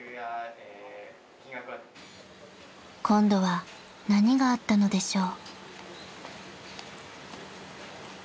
［今度は何があったのでしょう？］